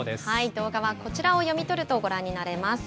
動画はこちらを読み取るとご覧になれます。